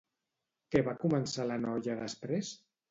Què va començar la noia després?